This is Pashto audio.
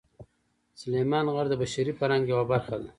سلیمان غر د بشري فرهنګ یوه برخه ده.